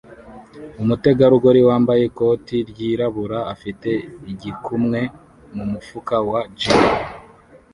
Umutegarugori wambaye ikoti ryirabura afite igikumwe mumufuka wa jean